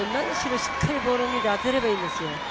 しっかりボールを見て当てればいいですよ。